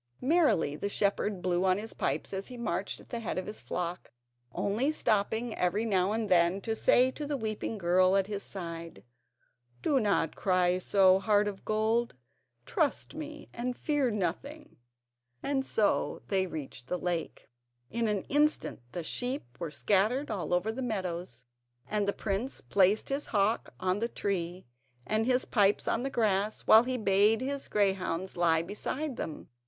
Merrily the shepherd blew on his pipes as he marched at the head of his flock, only stopping every now and then to say to the weeping girl at his side: "Do not cry so, Heart of Gold; trust me and fear nothing." And so they reached the lake. In an instant the sheep were scattered all over the meadows, and the prince placed his hawk on the tree, and his pipes on the grass, while he bade his greyhounds lie beside them.